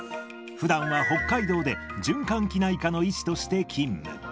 ふだんは北海道で循環器内科の医師として勤務。